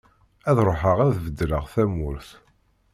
Ad ruḥeγ ad bedleγ tamurt.